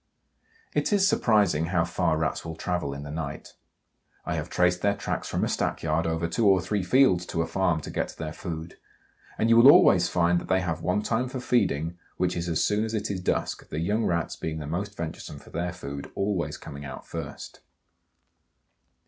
It is surprising how far Rats will travel in the night. I have traced their tracks from a stackyard over two or three fields to a farm to get to their food. And you will always find that they have one time for feeding, which is as soon as it is dusk, the young Rats being the most venturesome for their food, always coming out first.